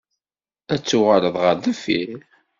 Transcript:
Ad tuɣaleḍ ɣer deffir?